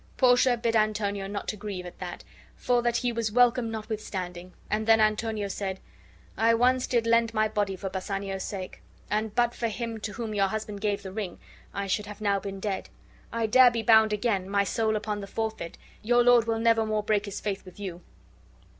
Portia bid Antonio not to grieve at that, for that be was welcome notwithstanding; and then Antonio said: "I once did lend my body for Bassanio's sake; and but for him to whom your husband gave the ring I should have now been dead. I dare be bound again, my soul upon the forfeit, your lord will never more break his faith with you."